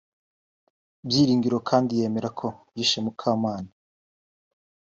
Byiringiro kandi yemera ko yishe Mukamana